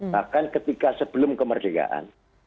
bahkan ketika sebelum kemerdekaan